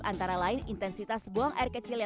antara lain intensitas buang air kecil